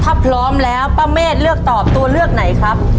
ถ้าพร้อมแล้วป้าเมฆเลือกตอบตัวเลือกไหนครับ